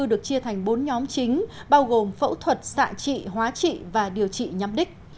được chia thành bốn nhóm chính bao gồm phẫu thuật xạ trị hóa trị và điều trị nhắm đích